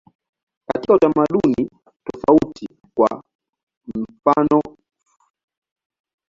Katika utamaduni tofauti, kwa mfanof.